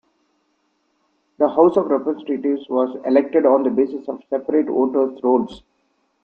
The House of Representatives was elected on the basis of separate voters' rolls.